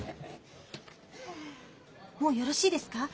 もうよろしいですか？